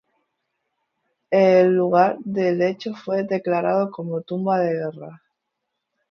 El lugar del hecho fue declarado como tumba de guerra.